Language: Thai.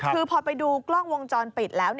คือพอไปดูกล้องวงจรปิดแล้ว